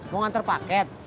mau nganter paket